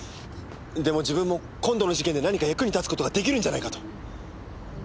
でも自分も今度の事件で何か役に立つ事が出来るんじゃないかと。